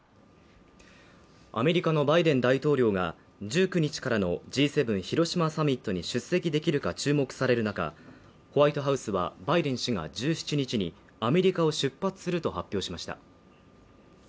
アメリカのバイデン大統領が１９日からのＧ７広島サミットに出席できるか注目される中、ホワイトハウスはバイデン氏が１７日にアメリカを出発すると発表しました。